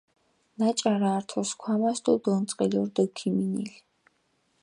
ნაჭარა ართო სქვამას დო დონწყილო რდჷ ქიმინელი.